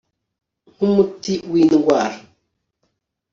NkU muti wI ndwara